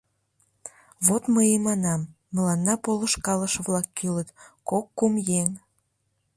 — Вот мый и манам: мыланна полышкалыше-влак кӱлыт, кок-кум еҥ.